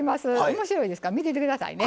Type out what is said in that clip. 面白いですから見てて下さいね。